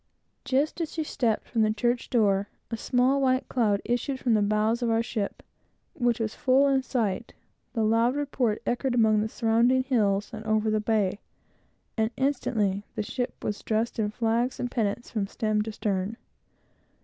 Just as she stepped from the church door, a small white cloud issued from the bows of our ship, which was full in sight, the loud report echoed among the surrounding hills and over the bay, and instantly the ship was dressed in flags and pennants from stem to stern.